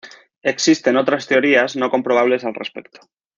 Existen otras teorías no comprobables al respecto.